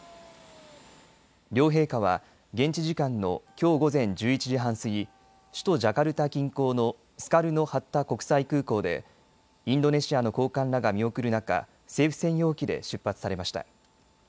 両陛下は現地時間のきょう午前１１時半過ぎ、首都ジャカルタ近郊のスカルノ・ハッタ国際空港でインドネシアの高官らが見送る中、政府専用機で出発されました。